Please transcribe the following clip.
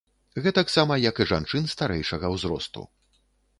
Гэтаксама, як і жанчын старэйшага ўзросту.